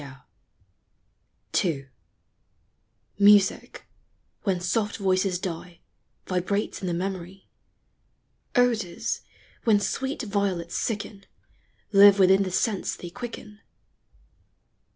SHAKESPE TO Mrsir, when soft voices die, Vibrates in the memory, — OdorS, Wild! sweet Violets sicl Live within the sense they quicken.